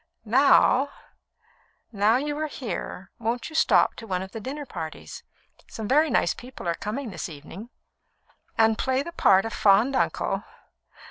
Now " "Now you are here, won't you stop to one of the dinner parties? Some very nice people are coming this evening." "And play the part of fond uncle?